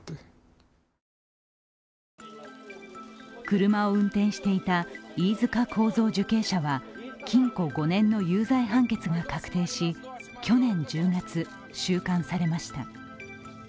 車を運転していた飯塚幸三受刑者は禁錮５年の有罪判決が確定し、去年１０月、収監されました。